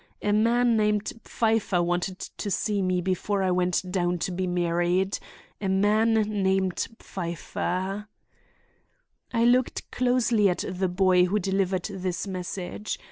A man named Pfeiffer wanted to see me before I went down to be married. A man named Pfeiffer! "I looked closely at the boy who delivered this message.